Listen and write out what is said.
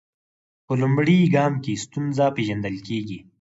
په لومړي ګام کې ستونزه پیژندل کیږي.